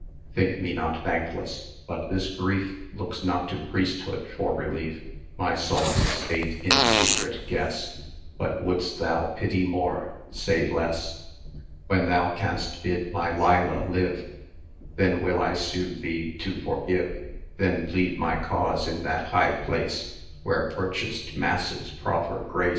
Think me not thankless but this grief Looks not to priesthood for relief.[eo] My soul's estate in secret guess: But wouldst thou pity more, say less. When thou canst bid my Leila live, 1210 Then will I sue thee to forgive; Then plead my cause in that high place Where purchased masses proffer grace.